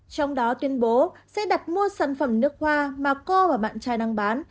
trong đó tuyên bố sẽ đặt mua sản phẩm nước hoa mà cô và bạn trai đang bán